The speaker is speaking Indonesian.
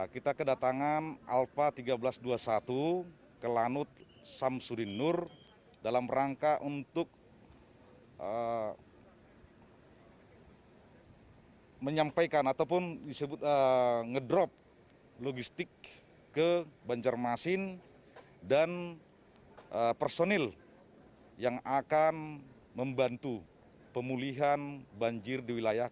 kita kedatangan alfa seribu tiga ratus dua puluh satu ke lanut samsudin nur dalam rangka untuk menyampaikan ataupun disebut ngedrop logistik ke banjarmasin dan personil yang akan membantu pemulihan banjir di winangkabung